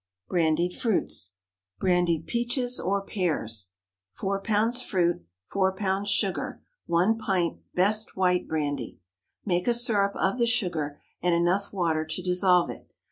BRANDIED FRUITS. BRANDIED PEACHES OR PEARS. ✠ 4 lbs. fruit. 4 lbs. sugar. 1 pint best white brandy. Make a syrup of the sugar and enough water to dissolve it.